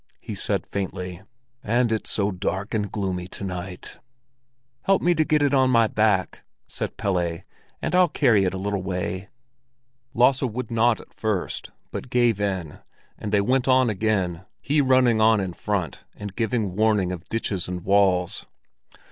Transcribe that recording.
he said faintly. "And it's so dark and gloomy to night." "Help me to get it on my back," said Pelle, "and I'll carry it a little way." Lasse would not at first, but gave in, and they went on again, he running on in front and giving warning of ditches and walls.